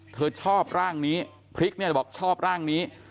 เธอชอบร่างนี้พริกเนี่ยเธอบอกชอบร่างนี้